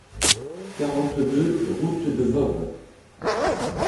quarante-deux route de Voves